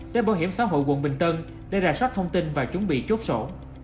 đến bộ hiểm xã hội quận bình tân để rà soát thông tin và chuẩn bị chốt sổ